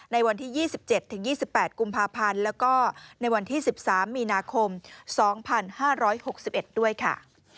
ในวันที่๒๗๒๘กุมภาพันธ์แล้วก็ในวันที่๑๓มีนาคม๒๕๖๑ด้วยค่ะ